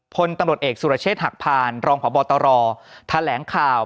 พลตำรวจเอกสุรเชษฐ์หักพานรองพบตรแถลงข่าว